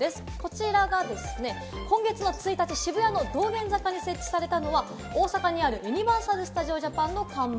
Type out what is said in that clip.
こちらがですね、今月の１日、渋谷の道玄坂に設置されたのは、大阪にあるユニバーサル・スタジオ・ジャパンの看板。